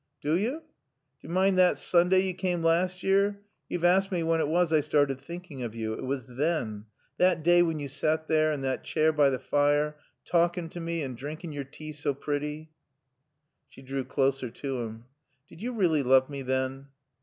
"Do yo? D'yo mind thot Soonda yo caame laasst year? Yo've aassked mae whan it was I started thinkin' of yo. It was than. Thot daay whan yo sot there in thot chair by t' fire, taalkin' t' mae and drinkin' yore tae so pretty." She drew closer to him. "Did you really love me then?"